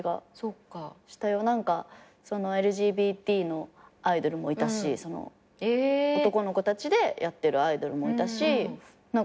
ＬＧＢＴのアイドルもいたしその男の子たちでやってるアイドルもいたし何か面白いなと思った。